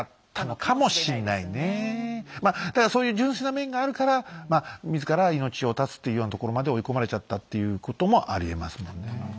まあだからそういう純粋な面があるから自ら命を絶つっていうようなところまで追い込まれちゃったっていうこともありえますもんね。